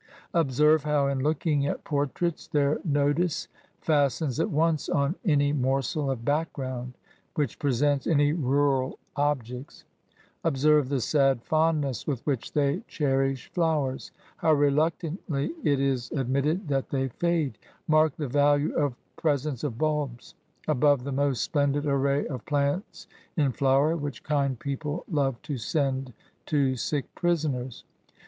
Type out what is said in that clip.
Observe how, in looking at portraits, their notice fastens at once on any morsel of back ground which presents any rural objects. Observe the sad fondness with which they cherish flowers, — ^how reluctantly it is ad mitted that they fade. Mark the value of pre sents of bulbs, — ^above the most splendid array of plants in flower, which kind people love to send to sick prisoners.